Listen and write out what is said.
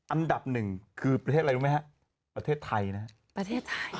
อันดับหนึ่งคือประเทศอะไรรู้ไหมฮะประเทศไทยนะฮะประเทศไทย